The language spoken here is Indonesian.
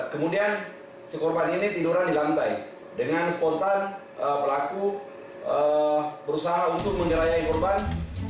kemudian sekorban ini tiduran di lantai dengan spontan pelaku berusaha untuk menyerahkan korban